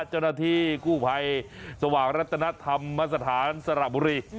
เจ้าหน้าที่กู้ภัยสว่างรัตนธรรมสถานสระบุรี